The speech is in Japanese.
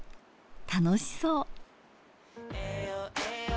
楽しそう。